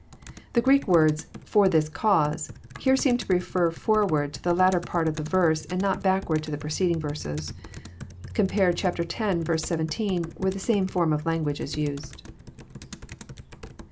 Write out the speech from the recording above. The Greek words, " for this cause," here seem to refer for ward to the latter part of the verse, and not backward to the preceding verse. Compare z. 17, where the same form of lan guage is used.